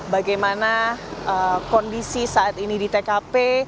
bagaimana kondisi saat ini di tkp